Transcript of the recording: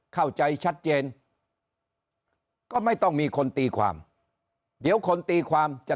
เข้าใจชัดเจนก็ไม่ต้องมีคนตีความเดี๋ยวคนตีความจะ